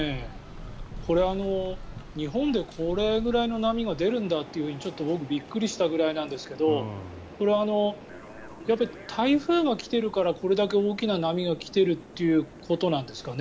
これ、日本でこれぐらいの波が出るんだってちょっと僕びっくりしたぐらいなんですけどこれ、台風が来ているからこれだけ大きな波が来ているということなんですかね。